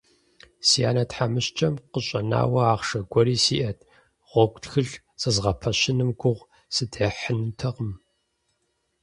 Си анэ тхьэмыщкӀэм къыщӀэнауэ ахъшэ гуэри сиӀэт – гъуэгу тхылъ зэзгъэпэщыным гугъу сыдехьынутэкъым…